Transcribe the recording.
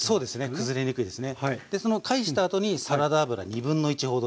崩れにくいですね。